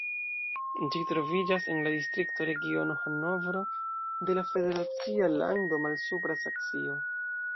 Ĝi troviĝas en la distrikto Regiono Hanovro de la federacia lando Malsupra Saksio.